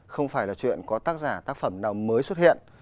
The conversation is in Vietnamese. không phải là chuyện có tác giả tác phẩm nào mới xuất hiện